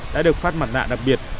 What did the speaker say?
đã được phát mặt nạ đặc biệt